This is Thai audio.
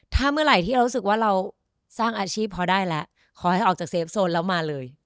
ถ้าเมื่อไหร่ที่เรารู้สึกว่าเราสร้างอาชีพพอได้แล้วขอให้ออกจากเซฟโซนแล้วมาเลย